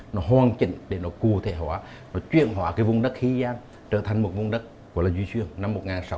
nó hoàn chỉnh để nó cụ thể hóa nó chuyển hóa cái vùng đất khí giang trở thành một vùng đất của lê duy xuyên năm một nghìn sáu trăm linh